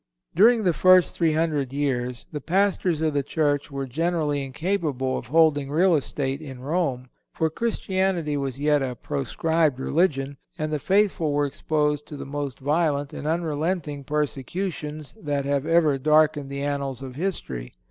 During the first three hundred years the Pastors of the Church were generally incapable of holding real estate in Rome; for Christianity was yet a proscribed religion, and the faithful were exposed to the most violent and unrelenting persecutions that have ever darkened the annals of history.